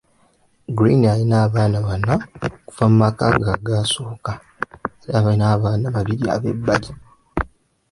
Green has four children from her first marriage, and two stepchildren.